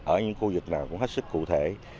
ở những khu vực nào cũng hết sức cụ thể